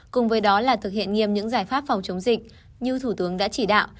cùng với đó là thực hiện nghiêm những giải pháp phòng chống dịch như thủ tướng đã chỉ đạo